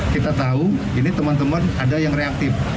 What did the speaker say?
kita tahu ini teman teman ada yang reaktif